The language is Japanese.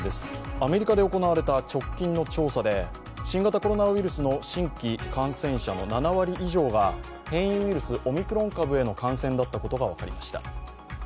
アメリカで行われた直近の調査で新型コロナウイルスの新規感染者の７割以上が変異ウイルス、オミクロン株への感染だったことが分かりました。